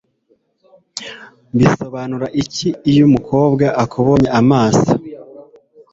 Bisobanura iki iyo umukobwa akubonye amaso